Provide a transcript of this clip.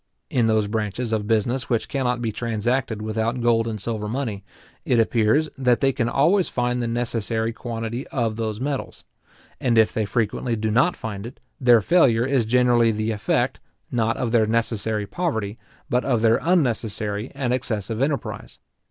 In those branches of business which cannot be transacted without gold and silver money, it appears, that they can always find the necessary quantity of those metals; and if they frequently do not find it, their failure is generally the effect, not of their necessary poverty, but of their unnecessary and excessive enterprise.